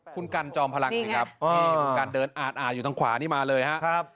คุณกันจอมพลังนี่ครับคุณกันเดินอ่านอ่านอยู่ทางขวานี่มาเลยฮะครับ